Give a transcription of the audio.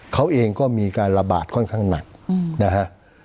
เขาเองก็มีการระบาดค่อนข้างหนักนะฮะ